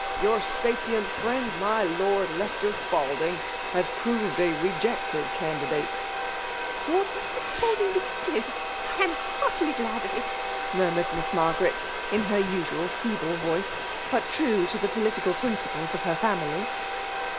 your sapient friend^ my Xord XteicaaUr %al* ding, has proved a rejected candidate*' *' Lord Leicester Spalding defeated ? I ani heartily glad of it !" murmured Miss fiiar garet> in her usual feeble voice> but true to the political principles of her family.